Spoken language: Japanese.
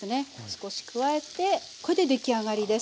少し加えてこれで出来上がりです。